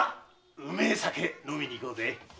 うめえ酒飲みにいこうぜ！